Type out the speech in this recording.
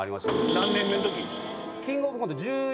何年目の時？